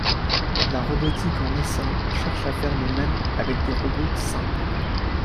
La robotique en essaim cherche à faire de même avec des robots simples.